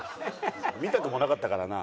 見たくもなかったからな。